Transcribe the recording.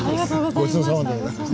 ごちそうさまでございました。